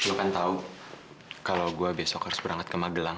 lo kan tahu kalau gue besok harus berangkat ke magelang